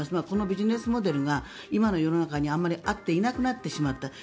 このビジネスモデルが今の世の中にあまり合っていなくなってしまった。